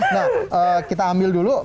nah kita ambil dulu